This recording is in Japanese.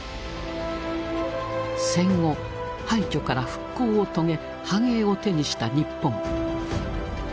戦後廃虚から復興を遂げ繁栄を手にした日本。